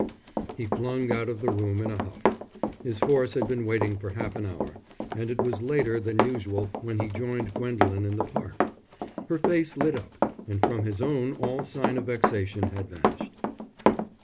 He flung out of the room in a huff. His horse had been waiting for half an hour, and it was later than usual when he joined Gwendolen in the Park. Her face lit up, and from his own all sign of vexation had vanished.